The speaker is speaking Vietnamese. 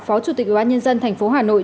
phó chủ tịch ubnd tp hà nội